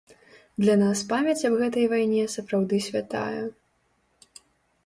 Для нас памяць аб гэтай вайне сапраўды святая.